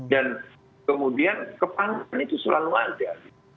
dan kemudian kepanasan itu selalu ada